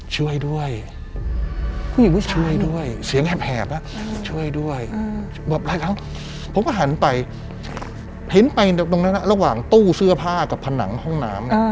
เห็นมันไปตรงนั้นระหว่างตู้เสื้อผ้ากับผนังห้องน้ำ